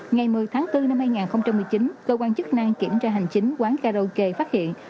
ngày một mươi tháng bốn năm hai nghìn một mươi chín cơ quan chức năng kiểm tra hành chính quán karaoke phát hiện